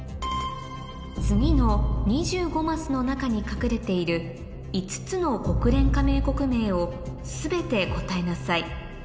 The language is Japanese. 次の２５マスの中に隠れている５つの国連加盟国名を全て答えなさい